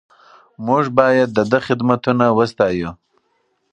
موږ باید د ده خدمتونه وستایو.